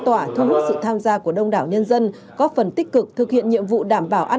tỏa thu hút sự tham gia của đông đảo nhân dân có phần tích cực thực hiện nhiệm vụ đảm bảo an